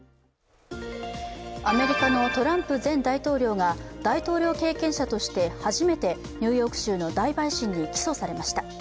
アメリカのトランプ前大統領が大統領経験者として初めてニューヨーク州の大陪審に起訴されました。